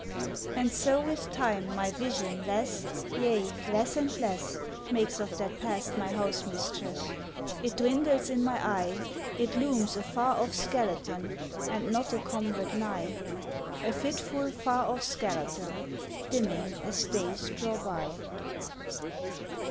And so with time my vision less, Yea, less and less Makes of that Past my housemistress, It dwindles in my eye; It looms a far off skeleton And not a comrade nigh, A fitful far off skeleton Dimming as days draw by.